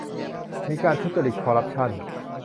มีการทุจริต คอร์รัปชั่น